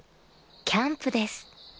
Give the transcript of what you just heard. キャンプです